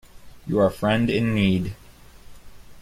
You're a friend in need.